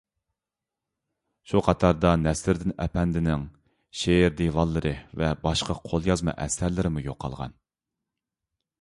شۇ قاتاردا نەسرىدىن ئەپەندىنىڭ شېئىر دىۋانلىرى ۋە باشقا قوليازما ئەسەرلىرىمۇ يوقالغان.